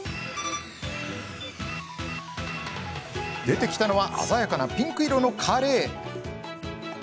出てきたのは鮮やかなピンク色のカレー。